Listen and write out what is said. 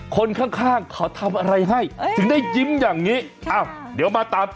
คนข้างค่ะเขาทำอะไรให้ถึงได้ยิ้มอย่างนี้